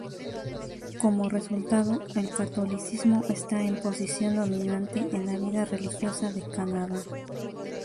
Como resultado, el catolicismo está en posición dominante en la vida religiosa de Canadá.